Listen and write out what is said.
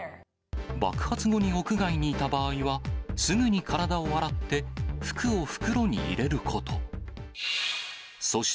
爆発後に屋外にいた場合は、すぐに体を洗って、服を袋に入れること。